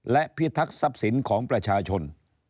และพิทักษ์ทรัพย์สินของประชาชน